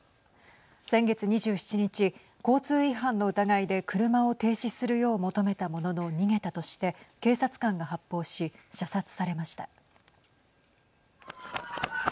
先月２７日交通違反の疑いで車を停止するよう求めたものの逃げたとして警察官が発砲し射殺されました。